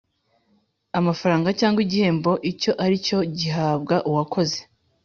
amafaranga cyangwa igihembo icyo ari cyo gihabwa uwakoze